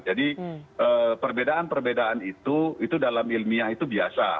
jadi perbedaan perbedaan itu itu dalam ilmiah itu biasa